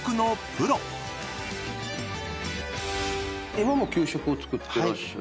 今も給食を作ってらっしゃる？